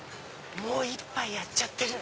もう一杯やっちゃってる！